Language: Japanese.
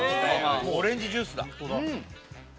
もうオレンジジュースだ